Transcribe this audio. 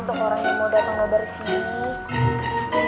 untuk orang yang mau datang kebersih